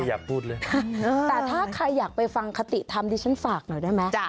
แต่ถ้าใครอยากไปฟังคติธรรมที่ฉันฝากหน่อยได้ไหม